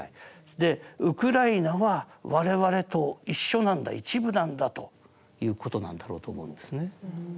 でウクライナは我々と一緒なんだ一部なんだということなんだろうと思うんですね。